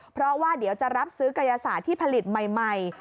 เพราะว่าเดี๋ยวจะรับซื้อกายศาสตร์ที่ผลิตใหม่